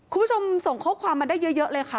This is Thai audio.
คุณผู้ชมส่งข้อความมาได้เยอะเลยค่ะ